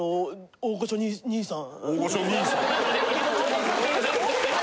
・大御所兄さん